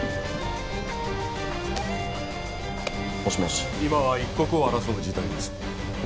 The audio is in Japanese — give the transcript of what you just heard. もしもし今は一刻を争う事態です